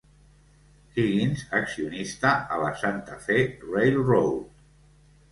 Higgins, accionista a la Santa Fe Railroad.